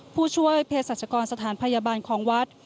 ผู้ช่วยเพศรัชกรสถานพยาบาลของวัด